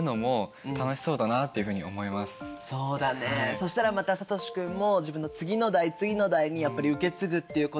そしたらまたさとし君も自分の次の代次の代にやっぱり受け継ぐっていうこともできるしね。